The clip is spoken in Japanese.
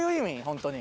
本当に。